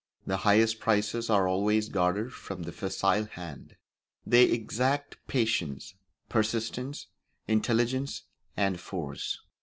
The highest prizes are always guarded from the facile hand; they exact patience, persistence, intelligence, and force.